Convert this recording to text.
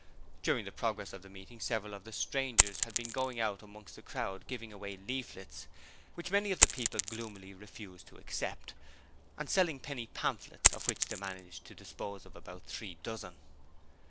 During the progress of the meeting several of the strangers had been going out amongst the crowd giving away leaflets, which many of the people gloomily refused to accept, and selling penny pamphlets, of which they managed to dispose of about three dozen.